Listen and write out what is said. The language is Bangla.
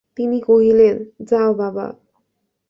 তিনি কহিলেন, যাও বাবা!